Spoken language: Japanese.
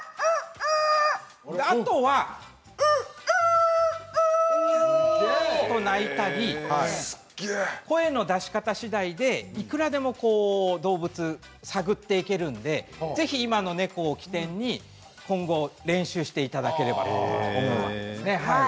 あとは鳴いたり声の出し方しだいで、いくらでも動物、探っていけるのでぜひ今の猫を起点に今後、練習していただければと思います。